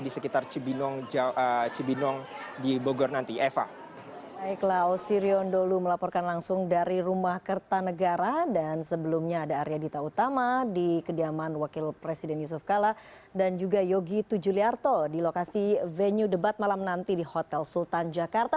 sirion dulu melaporkan langsung dari rumah kertanegara dan sebelumnya ada arya dita utama di kediaman wakil presiden yusuf kala dan juga yogi tujuliarto di lokasi venue debat malam nanti di hotel sultan jakarta